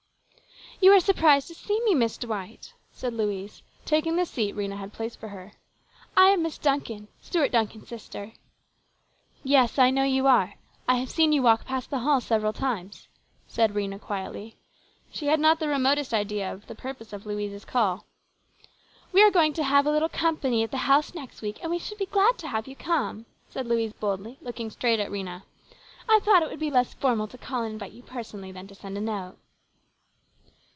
YOU are surprised to see me, Miss D wight," said Louise, taking the seat Rhena had placed for her. " I am Miss Duncan, Stuart Duncan's sister." " Yes, I know you are. I have seen you walk past the hall several times," said Rhena quietly. She had not the remotest idea of the purpose of Louise's call. " We are going to have a little company at the house next week, and we should be glad to have you come," said Louise boldly, looking straight at Rhena. " I thought it would be less formal to call and invite you personally than to send a note."